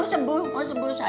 ya mau sembuh mau sembuh saya